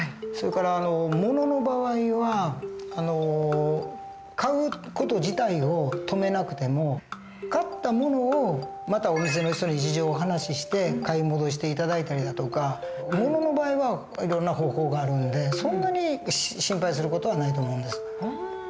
それから物の場合は買う事自体を止めなくても買った物をまたお店の人に事情をお話しして買い戻して頂いたりだとか物の場合はいろんな方法があるんでそんなに心配する事はないと思うんです。